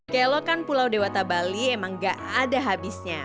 kelokan pulau dewata bali emang gak ada habisnya